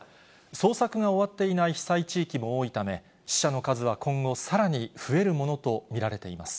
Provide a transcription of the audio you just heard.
捜索が終わっていない被災地域も多いため、死者の数は今後さらに増えるものと見られています。